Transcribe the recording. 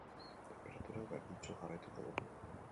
Tenperaturak berdintsu jarraituko du.